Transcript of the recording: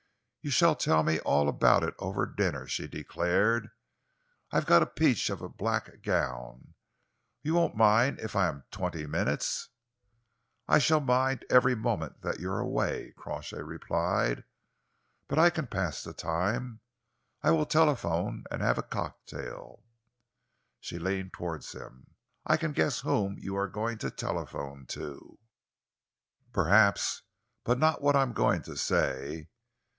"You shall tell me all about it over dinner," she declared. "I've got a peach of a black gown you won't mind if I am twenty minutes?" "I shall mind every moment that you are away," Crawshay replied, "but I can pass the time. I will telephone and have a cocktail." She leaned towards him. "I can guess whom you are going to telephone to." "Perhaps but not what I am going to say."